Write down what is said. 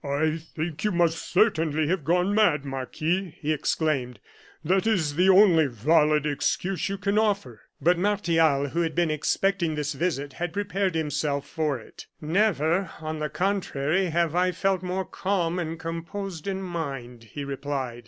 "I think you must certainly have gone mad, Marquis," he exclaimed. "That is the only valid excuse you can offer." But Martial, who had been expecting this visit, had prepared himself for it. "Never, on the contrary, have I felt more calm and composed in mind," he replied.